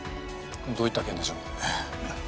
どういった件でしょう？